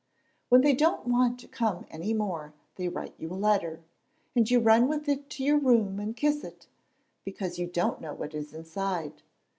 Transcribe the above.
"When they don't want to come any more they write you a letter, and you run with it to your room and kiss it, because you don't know what is inside.